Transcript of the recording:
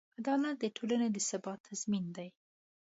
عدالت د ټولنې د ثبات تضمین دی.